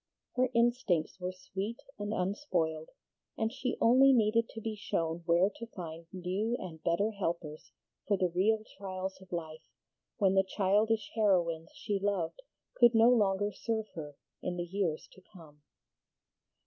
Her instincts were sweet and unspoiled, and she only needed to be shown where to find new and better helpers for the real trials of life, when the childish heroines she loved could no longer serve her in the years to come.